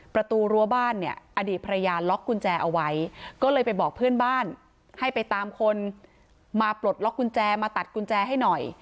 ประตูรั้วบ้านเนี่ยอดีตภรรยาล็อกกุญแจเอาไว้ก็เลยไปบอกเพื่อนบ้านให้ไปตามคนมาปลดล็อกกุญแจมาตัดกุญแจให้หน่อย